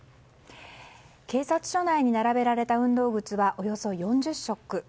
警察署内に並べられた運動靴はおよそ４０足。